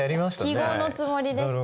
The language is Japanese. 記号のつもりです。